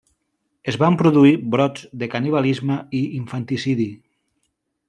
Es van produir brots de canibalisme i infanticidi.